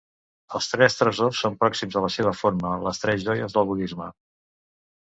Els Tres Tresors són pròxims, en la seva forma, a les Tres Joies del budisme.